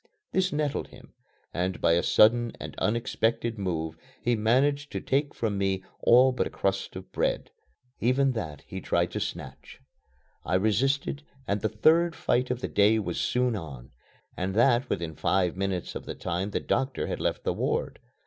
This nettled him, and by a sudden and unexpected move he managed to take from me all but a crust of bread. Even that he tried to snatch. I resisted and the third fight of the day was soon on and that within five minutes of the time the doctor had left the ward.